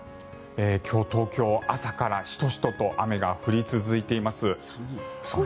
今日、東京は朝からシトシトと雨が降り続いています。